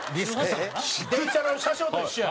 電車の車掌と一緒や。